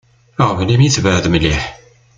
Aɣbel imi tebεed mliḥ.